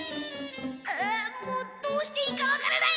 あもうどうしていいかわからない！